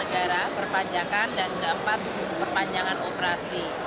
negara perpajakan dan keempat perpanjangan operasi